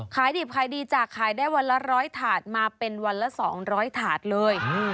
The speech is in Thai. ขายดิบขายดีจากขายได้วันละ๑๐๐ถาดมาเป็นวันละ๒๐๐ถาดเลย